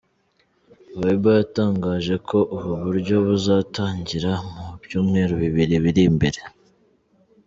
Viber yatangaje ko ubu buryo buzatangira mu byumweru bibiri biri imbere.